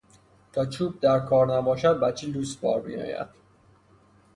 تا چوب در کار نباشد بچه لوس بار میآید